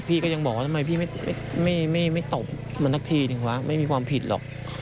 พี่ก็ยังบอกว่าทำไมพี่ไม่ตบมันสักทีหนึ่งวะไม่มีความผิดหรอก